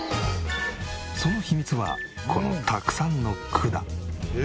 その秘密はこのたくさんの管。